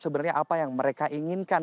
sebenarnya apa yang mereka inginkan